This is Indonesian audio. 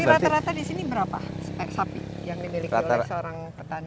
tapi rata rata di sini berapa